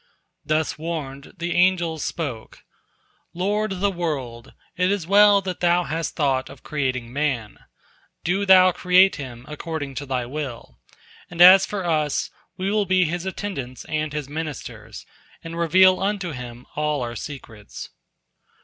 Thus warned, the angels spoke: "Lord of the world, it is well that Thou hast thought of creating man. Do Thou create him according to Thy will. And as for us, we will be his attendants and his ministers, and reveal unto him all our secrets."